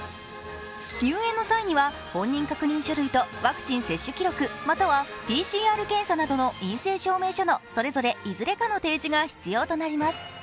入園の際には本人確認書類とワクチン接種記録またはＰＣＲ検査などの陰性証明書のそれぞれいずれかの提示が必要となります。